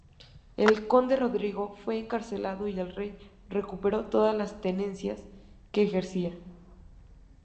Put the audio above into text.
El conde Rodrigo fue encarcelado y el rey recuperó todas las tenencias que ejercía.